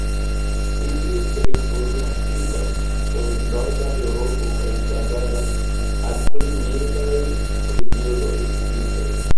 Ili reproduktiĝas en norda Eŭropo kaj vagadas al pli mildaj regionoj vintre.